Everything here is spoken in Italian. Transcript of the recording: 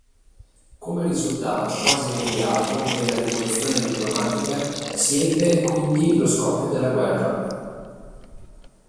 Come risultato quasi immediato della rivoluzione diplomatica si ebbe quindi lo scoppio della guerra.